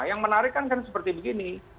yang menarik kan seperti begini